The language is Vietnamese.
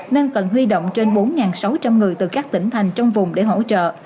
nên cần huy động trên bốn sáu trăm linh người từ các tỉnh thành trong vùng để hỗ trợ